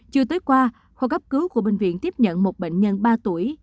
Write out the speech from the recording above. chưa tới qua khu gấp cứu của bệnh viện tiếp nhận một bệnh nhân ba tuổi